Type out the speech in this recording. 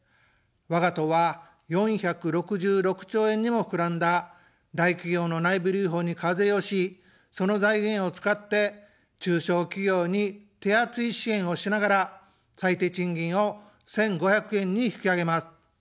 わが党は４６６兆円にもふくらんだ大企業の内部留保に課税をし、その財源を使って、中小企業に手厚い支援をしながら、最低賃金を１５００円に引き上げます。